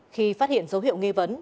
khi phát hiện dấu hiệu nghi vấn